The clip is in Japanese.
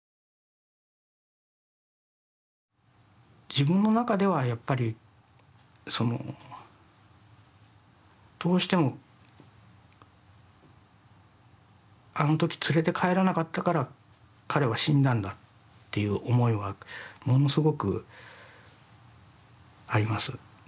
自分の中ではやっぱりどうしてもあの時連れて帰らなかったから彼は死んだんだっていう思いはものすごくあります。